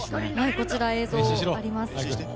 こちらに映像があります。